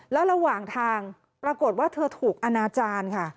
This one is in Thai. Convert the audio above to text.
แล้วระหว่างทางปรากฏว่าเธอถูกอนาจารย์ค่ะ